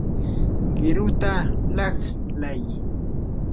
qiruta laqlay.